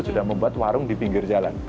sudah membuat warung di pinggir jalan